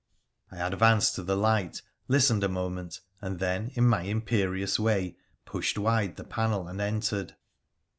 I advanced to the light, listened a moment, and then in my imperious way pushed wide the panel and entered.